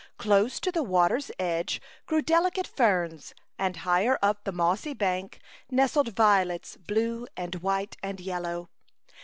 Close to the waters edge grew delicate ferns, and higher up the mossy bank nestled violets, blue and white and yellow.